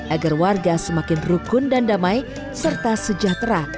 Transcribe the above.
agar warga semakin rukun dan damai serta sejahtera